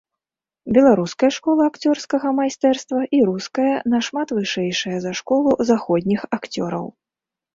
Беларуская школа акцёрскага майстэрства і руская нашмат вышэйшая за школу заходніх акцёраў.